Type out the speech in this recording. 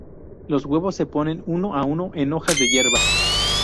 Los huevos se ponen uno a uno en hojas de hierba.